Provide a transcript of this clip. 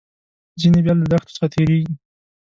ځینې بیا له دښتو څخه تیریږي.